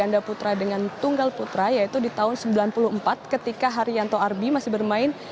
ganda putra dengan tunggal putra yaitu di tahun seribu sembilan ratus sembilan puluh empat ketika haryanto arbi masih bermain